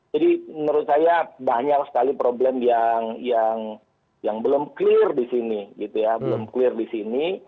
jadi menurut saya banyak sekali problem yang belum clear di sini